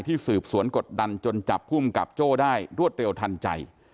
สืบสวนกดดันจนจับภูมิกับโจ้ได้รวดเร็วทันใจ